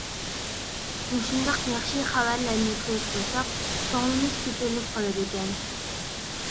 مۇشۇنداق ياخشى خەۋەرلەرنى كۆرۈپ تۇرساق، كۆڭلىمىز كۆتۈرۈلۈپ قالىدىكەن.